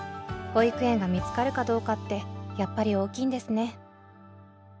保育園が見つかるかどうかってやっぱり大きいんですね。